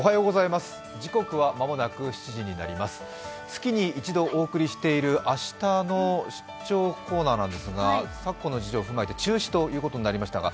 月に一度お送りしている明日の出張コーナーなんですが昨今の事情を踏まえて中止ということになりましたが、